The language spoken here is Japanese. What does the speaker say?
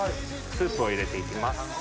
スープを入れて行きます。